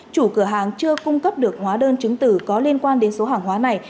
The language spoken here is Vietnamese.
chủ cửa hàng chưa cung cấp được hóa đơn chứng tử có liên quan đến số hàng hóa này